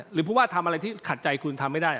หรือว่าทำอะไรที่ขัดใจคุณทำไม่ได้